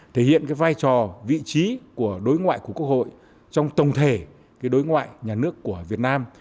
thể hiện vai trò vị trí của đối ngoại của quốc hội trong tổng thể đối ngoại nhà nước của việt nam